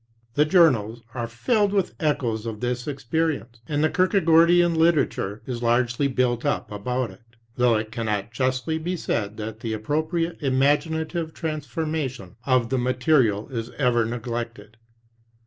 The journals are filled with echoes of this experience, and the Kierkegaardian literature is largely built up about it, though it cannot justly be said that the appropriate imaginative trans formation of the material is ever neglected.